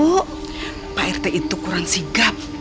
bener kali bu pak rt itu kurang sigap